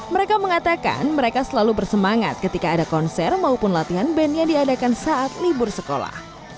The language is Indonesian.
mereka mengatakan mereka selalu bersemangat ketika ada konser maupun latihan band yang diadakan saat libur sekolah